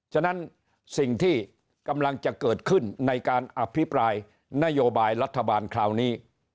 ฉะนั้นสิ่งที่กำลังจะเกิดขึ้นในการอภิปรายนโยบายรัฐบาลคราวนี้